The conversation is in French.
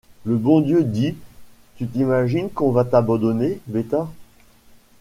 Le bon Dieu dit: Tu t’imagines qu’on va t’abandonner, bêta!